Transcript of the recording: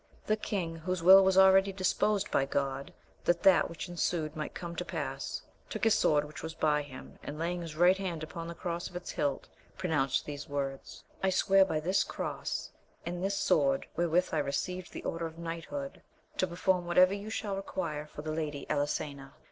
The king whose will was already disposed by Grod that that which ensued might come to pass, took his sword which was by him, and laying his right hand upon the cross of its hilt, pronounced these words : I swear by this cross, and this sword wherewith I received the order of knighthood, to perform whatever you shall require for the Lady Eli sena.